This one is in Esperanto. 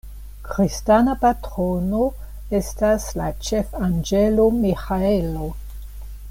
Kristana patrono estas la ĉefanĝelo Miĥaelo.